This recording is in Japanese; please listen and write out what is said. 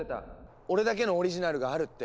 俺だけのオリジナルがあるって。